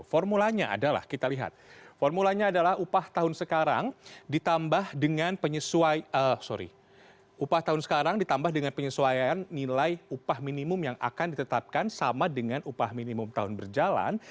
formulanya adalah kita lihat formulanya adalah upah tahun sekarang ditambah dengan penyesuaian nilai upah minimum yang akan ditetapkan sama dengan upah minimum tahun berjalan